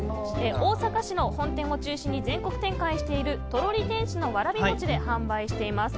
大阪市の本店を中心に全国展開しているとろり天使のわらびもちで販売しています。